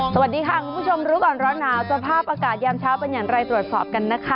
สวัสดีค่ะคุณผู้ชมรู้ก่อนร้อนหนาวสภาพอากาศยามเช้าเป็นอย่างไรตรวจสอบกันนะคะ